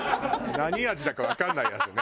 何味だかわかんないやつね。